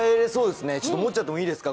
持っちゃってもいいですか。